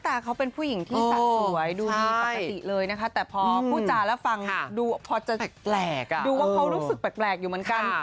แต่พอพูดจร่าฟังพอจะดูว่าเค้ารู้สึกแปลกอยู่เหมือนกัน